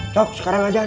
cok sekarang ajar